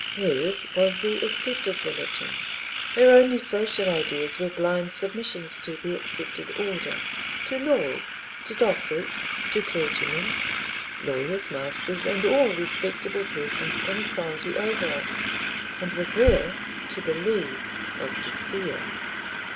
Hers was the accepted religion, her only social ideas were blind submissions to the accepted order—to laws, to doctors, to clergymen, lawyers, masters, and all respectable persons in authority over us, and with her to believe was to fear.